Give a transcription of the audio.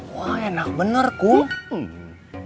wah enak bener akum